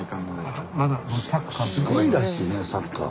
すごいらしいねサッカー。